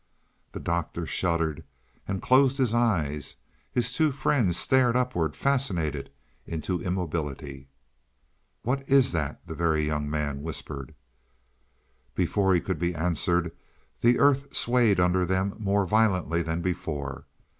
The Doctor shuddered and closed his eyes; his two friends stared upward, fascinated into immobility. "What is that?" the Very Young Man whispered. Before he could be answered, the earth swayed under them more violently than before.